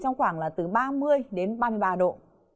trong khoảng là từ ba mươi đến ba mươi ba độ